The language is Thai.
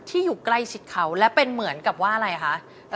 อยู่ใกล้ชิดเขาและเป็นเหมือนกับว่าอะไรคะ